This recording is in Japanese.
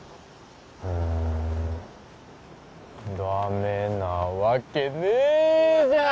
うんダメなわけねえじゃん！